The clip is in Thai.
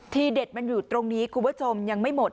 ทีเด็ดมันอยู่ตรงนี้คุณผู้ชมยังไม่หมด